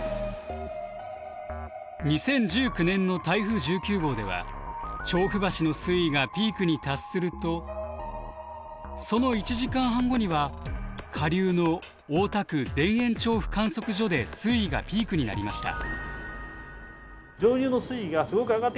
２０１９年の台風１９号では調布橋の水位がピークに達するとその１時間半後には下流の大田区田園調布観測所で水位がピークになりました。